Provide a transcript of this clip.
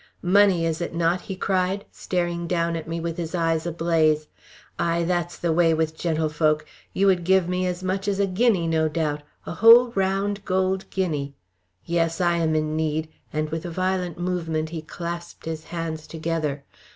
"Money, is it not?" he cried, staring down at me with his eyes ablaze. "Ay, that's the way with gentlefolk! You would give me as much as a guinea no doubt a whole round gold guinea. Yes, I am in need," and with a violent movement he clasped his hands together.